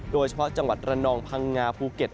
โดยเฉพาะจังหวัดระนองพังงาภูเก็ต